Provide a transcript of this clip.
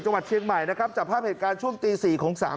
จังหวัดเชียงใหม่นะครับจับภาพเหตุการณ์ช่วงตี๔ของสาม